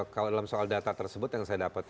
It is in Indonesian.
kalau dalam soal data tersebut yang saya dapat